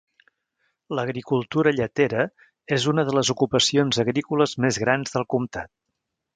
L'agricultura lletera és una de les ocupacions agrícoles més grans del comtat.